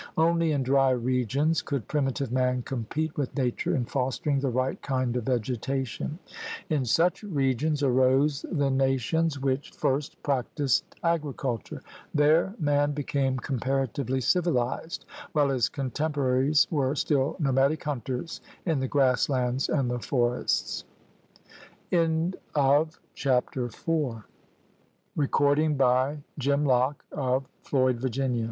Only in dry regions could primitive man compete with nature in fostering the right kind of vege tation. In such regions arose the nations which THE GARMENT OF VEGETATION 117 first practised agriculture. There man became comparatively civilized while his contempora ries were still nomadic hunters in the grass lands and the forests. CHAPTER V THE RED MAN IN AM